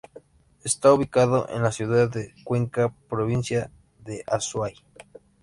Está ubicado en la ciudad de Cuenca, provincia de Azuay.